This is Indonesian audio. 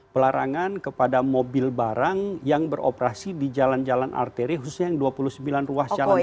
pelarangan kepada mobil barang yang beroperasi di jalan jalan arteri khususnya yang dua puluh sembilan ruas jalan ini